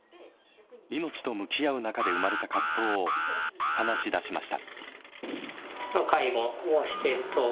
命と向き合う中で生まれた葛藤を話し出しました。